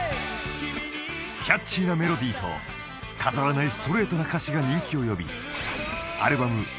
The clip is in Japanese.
［キャッチーなメロディーと飾らないストレートな歌詞が人気を呼び］